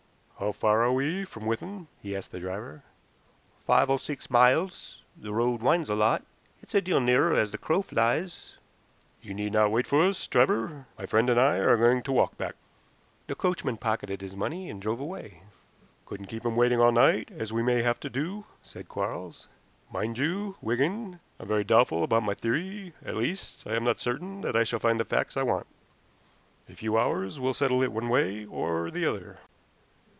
"How far are we from Withan?" he asked the driver. "Five or six miles. The road winds a lot. It's a deal nearer as the crow flies." "You need not wait for us, driver. My friend and I are going to walk back." The coachman pocketed his money and drove away. "Couldn't keep him waiting all night, as we may have to do," said Quarles. "Mind you, Wigan, I'm very doubtful about my theory; at least, I am not certain that I shall find the facts I want. A few hours will settle it one way or the other."